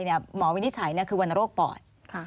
หมอวินิจฉัยคือวรรณโรคปอด